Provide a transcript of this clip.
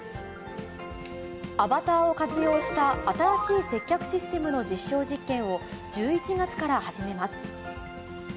アバターを活用した新しい接客システムの実証実験を１１月から始めます。